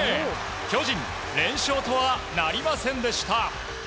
巨人、連勝とはなりませんでした。